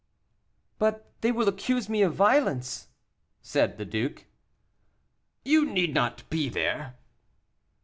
"But they will accuse me of violence," said the duke. "You need not be there."